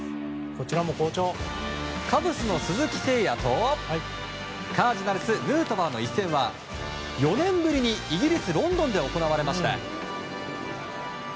カブスの鈴木誠也とカージナルスヌートバーの一戦は４年ぶりにイギリス・ロンドンで行われました。